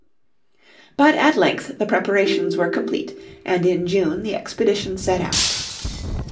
But at length the preparations were complete, and in June the expedition set out.